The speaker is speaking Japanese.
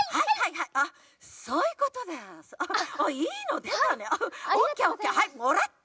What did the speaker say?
はいもらった！